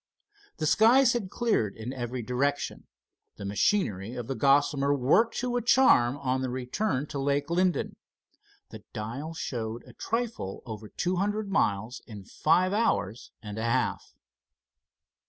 The skies had cleared in every direction. The machinery of the Gossamer worked to a charm on the return trip to Lake Linden. The dial showed a trifle over two hundred miles in five hours and a half.